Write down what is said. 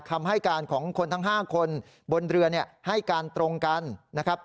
คำให้การของคนทั้ง๕คนบนเรือให้การตรงกันนะครับ